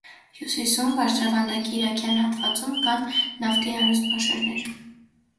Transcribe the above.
Հյուսիսում, բարձրավանդակի իրաքյան հատվածում, կան նավթի հարուստ պաշարներ։